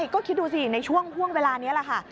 ก็คิดดูสิในช่วงห่วงเวลานี้แหละค่ะ